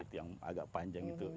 itu yang agak panjang itu